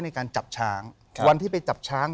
ในการจับช้างวันที่ไปจับช้าง